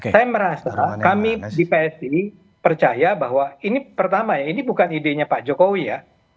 saya merasa kami di psi percaya bahwa ini pertama ya ini bukan idenya pak jokowi ya